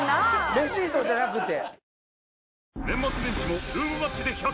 レシートじゃなくて。